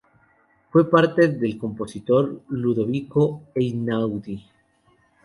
Fue padre del compositor Ludovico Einaudi.